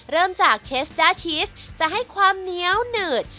เริ่มจากเชสด้าชีสจะให้ความเหนียวหนืด